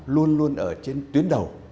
luôn luôn ở trên tuyến đầu